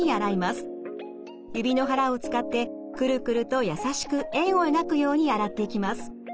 指の腹を使ってクルクルと優しく円を描くように洗っていきます。